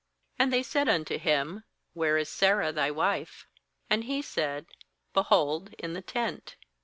9And they said unto him: 'Where is Sarah thy wife?' And he said: 'Behold, in the tent.'